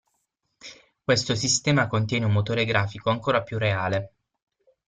Questo sistema contiene un motore grafico ancora più reale.